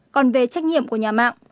còn về trách nhiệm của nhà mạng